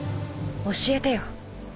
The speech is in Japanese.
教えてよ